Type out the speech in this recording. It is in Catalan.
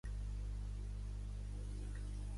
Està format per Victoria Embankment i Chelsea Embankment.